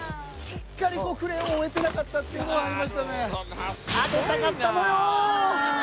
しっかりクレーを追えてなかったというのはありましたね。